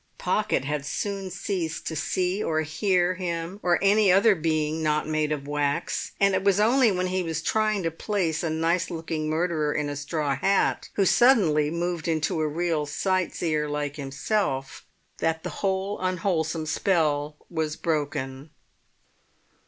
Pocket had soon ceased to see or hear him or any other being not made of wax. And it was only when he was trying to place a nice looking murderer in a straw hat, who suddenly moved into a real sightseer like himself, that the unwholesome spell was broken.